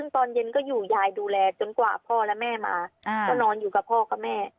ตอนเย็นก็อยู่ยายดูแลจนกว่าพ่อและแม่มาก็นอนอยู่กับพ่อกับแม่